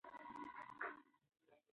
تازه هوا د سږو لپاره ښه ده.